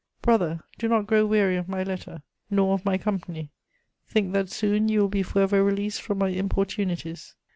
_) "Brother, do not grow weary of my letter, nor of my company; think that soon you will be for ever released from my importunities.